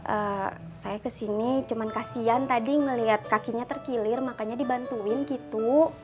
eh saya kesini cuma kasian tadi melihat kakinya terkilir makanya dibantuin gitu